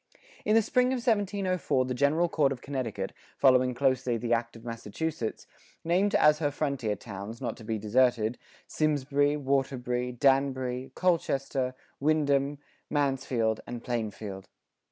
"[42:4] In the spring of 1704 the General Court of Connecticut, following closely the act of Massachusetts, named as her frontier towns, not to be deserted, Symsbury, Waterbury, Danbury, Colchester, Windham, Mansfield, and Plainfield.